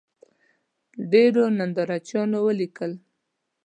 ډېرو نندارچیانو ولیکل